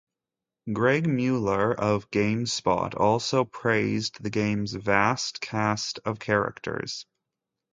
Greg Mueller of GameSpot also praised the game's vast cast of characters.